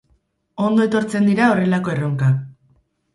Ondo etortzen dira horrelako erronkak.